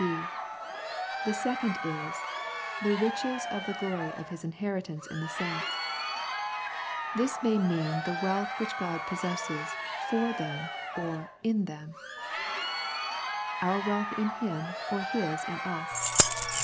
{b) The second is " The riches of the glory of His inheritance in the saints." This may mean the wealth which God possesses for them or in them ; our wealth in Him or His lOI The Prayers of St. Paul in us.